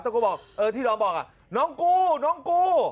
ต้องก็บอกเออที่น้องบอกน้องกู้